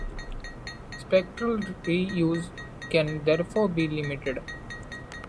Spectral reuse can therefore be limited.